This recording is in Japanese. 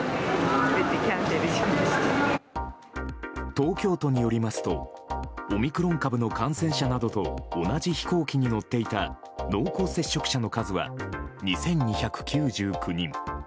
東京都によりますとオミクロン株の感染者などと同じ飛行機に乗っていた濃厚接触者の数は２２９９人。